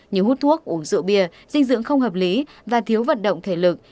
như hút thuốc uống rượu bia dinh dưỡng không hợp lý và thiếu vận động thể lực